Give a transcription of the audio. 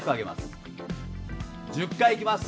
１０回いきます